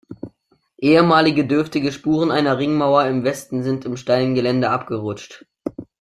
Ehemalige dürftige Spuren einer Ringmauer im Westen sind im steilen Gelände abgerutscht.